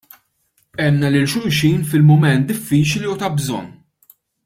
Għenna lil xulxin fil-mument diffiċli u ta' bżonn.